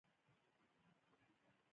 آ سېرېنا خارجۍ زموږ کره څه کول.